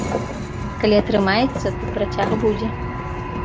Калі атрымаецца, то працяг будзе.